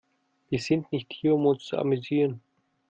Wir sind nicht hier, um uns zu amüsieren.